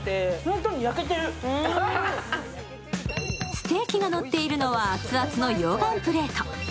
ステーキがのっているのは、熱々の溶岩プレート。